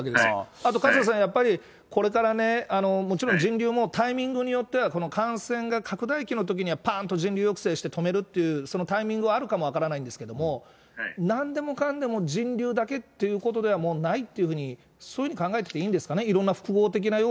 あと勝田さん、やっぱり、これからもちろん人流もタイミングによっては、感染が拡大期のときには、ぱーんと人流抑制して止めるっていう、そのタイミングはあるかも分からないんですけれども、なんでもかんでも人流だけっていうことではもうないっていうふうに、そういうふうに考えてていいんですかね。